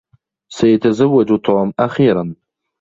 سيتزوج توم أخيرا.